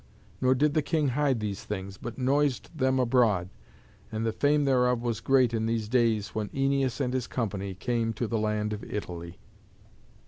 Nor did the king hide these things, but noised them abroad, and the fame thereof was great in these days when Æneas and his company came to the land of Italy.